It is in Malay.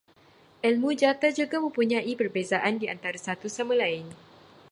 Ilmu jata juga mempunyai perbezaan di antara satu sama lain